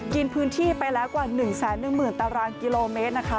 กินพื้นที่ไปแล้วกว่า๑๑๐๐๐ตารางกิโลเมตรนะคะ